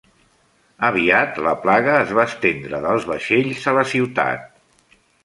Aviat la plaga es va estendre dels vaixells a la ciutat.